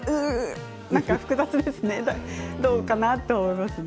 複雑ですね。